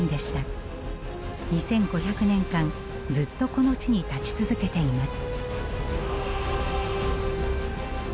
２，５００年間ずっとこの地に立ち続けています。